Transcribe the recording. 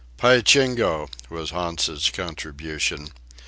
"Py Jingo!" was Hans's contribution.